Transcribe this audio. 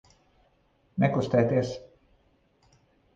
Nekustēties!